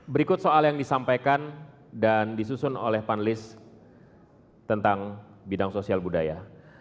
berikut soal yang disampaikan dan disusun oleh panelis tentang bidang sosial budaya